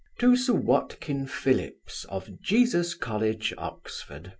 To Sir WATKIN PHILLIPS, of Jesus college, Oxon.